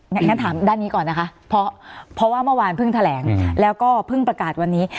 งั้นถามด้านนี้ก่อนนะคะเพราะว่าเมื่อวานเพิ่งแถลงแล้วก็เพิ่งประกาศวันนี้